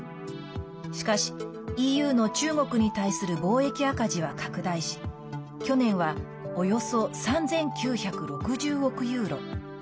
しかし、ＥＵの中国に対する貿易赤字は拡大し去年はおよそ３９６０億ユーロ。